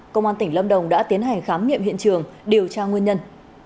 công an tỉnh lâm đồng đã tiến hành khám nghiệm hiện trường điều tra nguyên nhân